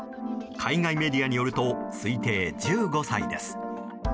海外メディアによると推定１５歳です。